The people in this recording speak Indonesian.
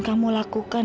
apa yang dia lakukan